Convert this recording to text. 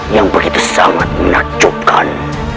yang begitu sangat menakjubkan